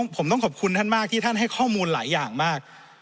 ผมต้องขอบคุณท่านมากที่ท่านให้ข้อมูลหลายอย่างมาก